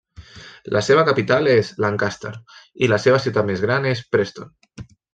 La seva capital és Lancaster, i la seva ciutat més gran és Preston.